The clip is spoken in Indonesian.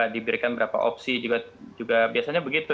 diberikan berapa opsi juga biasanya begitu